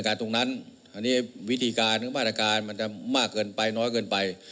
ก็จะเป็นการตรงนั้นอันนี้วิธีการเมืองมาตรการมันจะมากเกินไปน้อยเกินไป